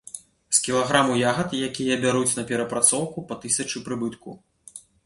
З кілаграму ягад, якія бяруць на перапрацоўку, па тысячы прыбытку.